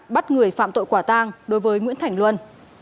bắt người phạm tội quả tang đối với nguyễn thành luân